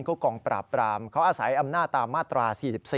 ก็กองปราบปรามเขาอาศัยอำนาจตามมาตรา๔๔